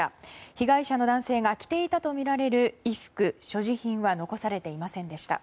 被害者の男性が着ていたとみられる衣服、所持品は残されていませんでした。